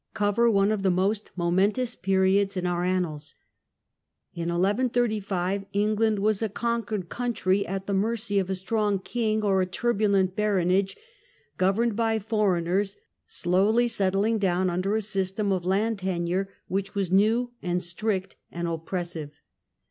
cover one of the most moment The changes ^^^ periods in our annals. In 1135 England of two was a conquered country, at the mercy of a centuries. strong king or a turbulent baronage, governed by foreigners, slowly settling down under a system of land tenure which was new and strict and oppressive.